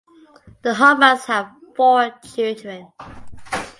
The Hoffmans had four children.